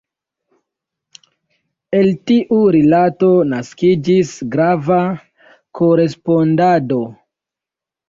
El tiu rilato naskiĝis grava korespondado.